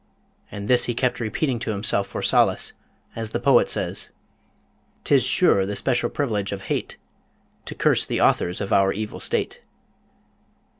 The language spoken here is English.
and this he kept repeating to himself for solace; as the poet says: 'Tis sure the special privilege of hate, To curse the authors of our evil state.